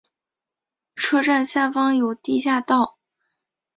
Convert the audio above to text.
车站下方有地下道。